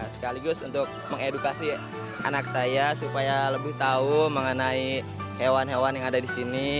sekaligus untuk mengedukasi anak saya supaya lebih tahu mengenai hewan hewan yang ada di sini